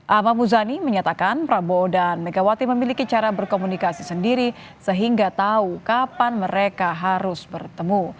ahmad muzani menyatakan prabowo dan megawati memiliki cara berkomunikasi sendiri sehingga tahu kapan mereka harus bertemu